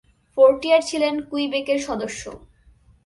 ফোর্টিয়ার ছিলেন কুইবেকের সদস্য।